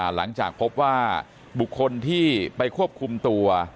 หลังจากพบว่าบุคคลที่ไปควบคุมตัว